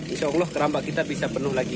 insya allah keramba kita bisa penuh lagi